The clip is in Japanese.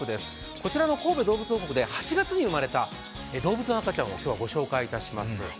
こちらの神戸どうぶつ王国で８月に生まれた動物の赤ちゃんを今日はご紹介いたします。